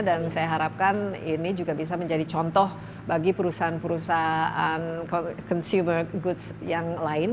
dan saya harapkan ini juga bisa menjadi contoh bagi perusahaan perusahaan consumer goods yang lain